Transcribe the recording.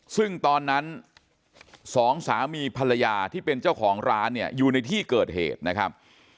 ซึ่งตอนนั้นสองสามีภรรยาที่เป็นเจ้าของร้านเนี่ยอยู่ในที่เกิดเหตุนะครับ